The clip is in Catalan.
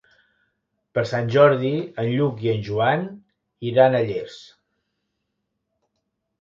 Per Sant Jordi en Lluc i en Joan iran a Llers.